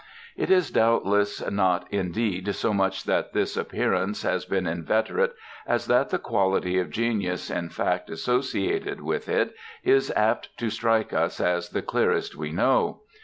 It is doubtless not indeed so much that this appearance has been inveterate as that the quality of genius in fact associated with it is apt to strike us as the clearest we know.